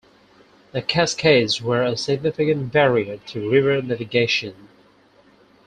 The Cascades were a significant barrier to river navigation.